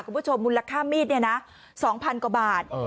คุณผู้ชมมูลค่ามีด๒๐๐๐กว่าบาท